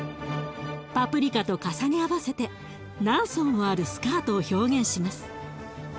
パプリカと重ね合わせて何層もあるスカートを表現します。